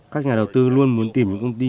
các nhà đầu tư luôn muốn tìm những công ty